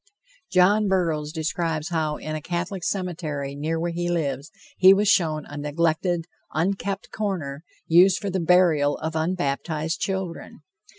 John Burroughs describes how in a Catholic cemetery near where he lives he was shown a neglected, unkept corner, used for the burial of unbaptized children.